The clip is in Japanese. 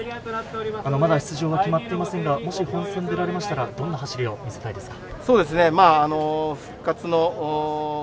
まだ出場は決まっていませんが、本戦に出られましたらどんな走りを見せたいですか？